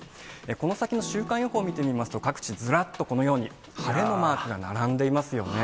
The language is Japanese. この先の週間予報を見てみますと、各地、ずらっとこのように、晴れのマークが並んでいますよね。